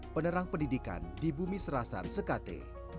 penerang pendidikan di bumi serasar sekate